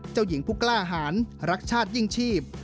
เจ้าหญิงผู้กล้าหารรักชาติยิ่งชีพ